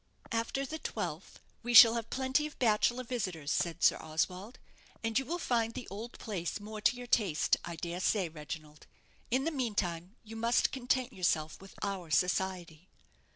"After the twelfth we shall have plenty of bachelor visitors," said Sir Oswald; "and you will find the old place more to your taste, I dare say, Reginald. In the meantime, you must content yourself with our society."